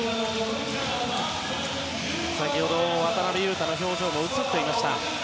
先ほど、渡邊雄太の表情も映っていました。